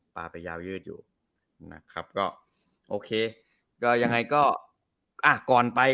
ปลาไปยาวยืดอยู่นะครับก็โอเคก็ยังไงก็อ่ะก่อนไป